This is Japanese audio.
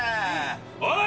おい！